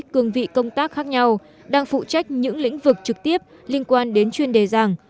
cương vị công tác khác nhau đang phụ trách những lĩnh vực trực tiếp liên quan đến chuyên đề rằng